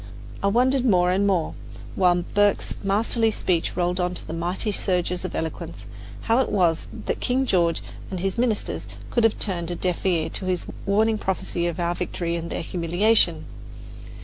I wondered more and more, while Burke's masterly speech rolled on in mighty surges of eloquence, how it was that King George and his ministers could have turned a deaf ear to his warning prophecy of our victory and their humiliation.